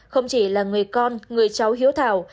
không chỉ là người con người cháu hiếu thảo